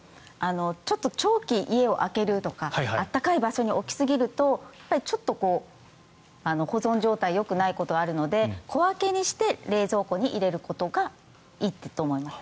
ちょっと長期に家を空けるとか暖かい場所に置きすぎるとちょっと保存状態がよくないことがあるので小分けにして冷蔵庫に入れるほうがいいと思います。